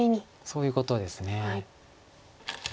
そういうことです。